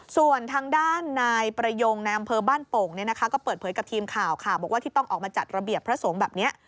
ส่วนทางด้านนายประยงในอำเภอบ้านโป่งก็เปิดเผยกับทีมข่าวค่ะบอกว่าที่ต้องออกมาจัดระเบียบพระสงฆ์แบบนี้